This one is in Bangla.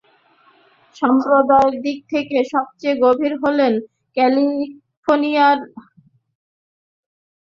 সম্পদের দিক থেকে সবচেয়ে গরিব হলেন ক্যালিফোর্নিয়ার রিপাবলিকান কংগ্রেস সদস্য ডেভিড ভালাদাও।